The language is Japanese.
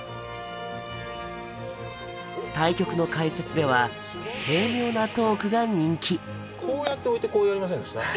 対局の解説では軽妙なトークが人気こうやって置いてこうやりませんでした？